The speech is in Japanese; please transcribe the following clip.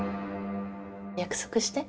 約束して。